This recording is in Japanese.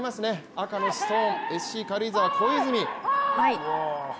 赤のストーン、ＳＣ軽井沢・小泉。